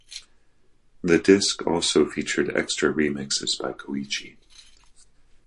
The disc also featured extra remixes by Koichi.